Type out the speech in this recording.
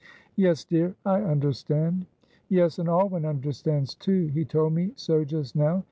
"Yes; dear, I understand." "Yes, and Alwyn understands, too. He told me so just now.